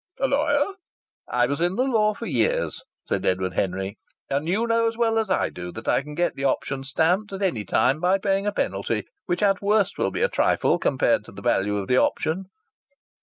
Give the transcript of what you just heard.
"A lawyer?" "I was in the law for years," said Edward Henry. "And you know as well as I do that I can get the option stamped at any time by paying a penalty which at worst will be a trifle compared to the value of the option."